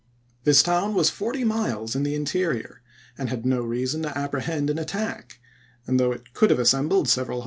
This town was forty miles p. 583. in the interior, and had no reason to apprehend an attack, and though it could have assembled several ma.